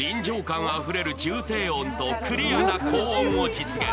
臨場感あふれる重低音とクリアな高音を実現。